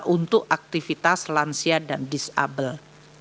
untuk aktivitas lansia dan disabel